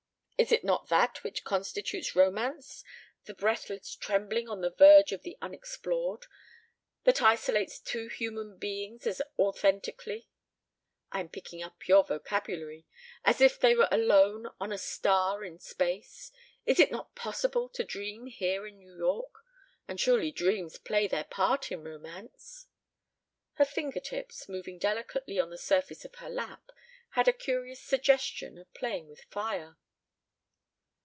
Is it not that which constitutes romance the breathless trembling on the verge of the unexplored that isolates two human beings as authentically I am picking up your vocabulary as if they were alone on a star in space? Is it not possible to dream here in New York? and surely dreams play their part in romance." Her fingertips, moving delicately on the surface of her lap, had a curious suggestion of playing with fire.